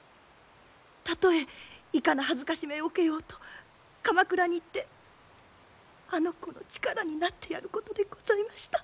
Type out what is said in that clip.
たとえいかな辱めを受けようと鎌倉に行ってあの子の力になってやることでございました。